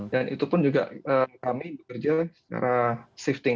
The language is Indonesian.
dan itu pun juga kami bekerja secara shifting